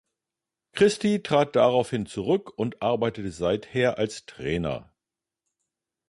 Christie trat daraufhin zurück und arbeitet seither als Trainer.